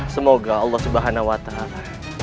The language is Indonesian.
semoga allah subhanahu wa ta'ala